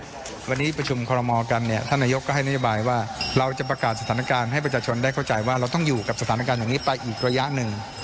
วันนี้ประชุมคอลโมกันเนี่ยท่านนายกก็ให้นโยบายว่าเราจะประกาศสถานการณ์ให้ประชาชนได้เข้าใจว่าเราต้องอยู่กับสถานการณ์อย่างนี้ไปอีกระยะหนึ่ง